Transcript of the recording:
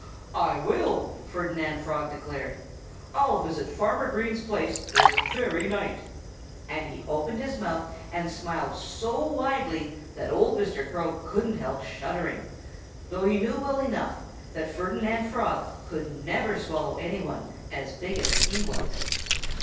"I will!" Ferdinand Frog declared. "I'll visit Farmer Green's place this very night!" And he opened his mouth and smiled so widely that old Mr. Crow couldn't help shuddering though he knew well enough that Ferdinand Frog could never swallow anyone as big as he was.